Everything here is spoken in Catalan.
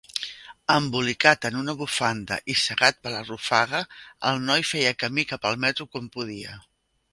Embolicat en una bufanda i cegat per la rufaga, el noi feia camí cap al metro com podia.